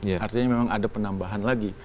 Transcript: artinya memang ada penambahan lagi